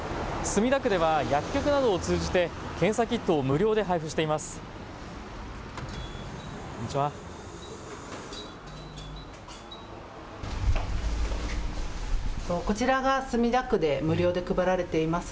墨田区では薬局などを通じて検査キットを無料で配付しています。